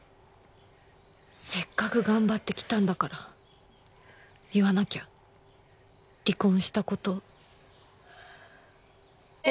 せっかく頑張って来たんだから言わなきゃ離婚した事ねえ。